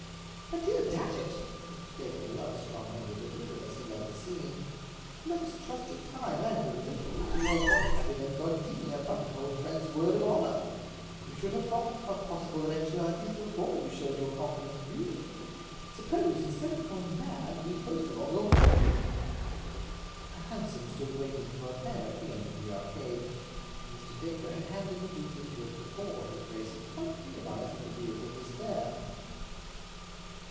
"My dear Datchet"—Mr. Dacre loved strong language as little as he loved a scene—"let us trust to time and, a little, to your white hatted and gardenia buttonholed friend's word of honor. You should have thought of possible eventualities before you showed your confidence—really. Suppose, instead of going mad, we first of all go home?" A hansom stood waiting for a fare at the end of the Arcade. Mr. Dacre had handed the duke into it before his grace had quite realized that the vehicle was there.